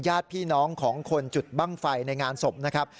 ญาติพี่น้องของคนจุดบ้างไฟในงานศพนะครับ